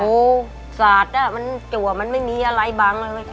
โอ้โฮสัตว์น่ะมันจั๋วมันไม่มีอะไรบ้างเลย